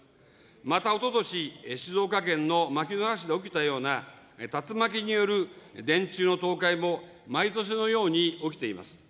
また、おととし、静岡県の牧之原市で起きたような、竜巻による電柱の倒壊も毎年のように起きています。